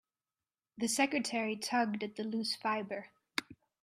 The secretary tugged at a loose fibre.